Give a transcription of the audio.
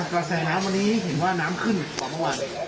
กระแสน้ำวันนี้เห็นว่าน้ำขึ้นกว่าเมื่อวาน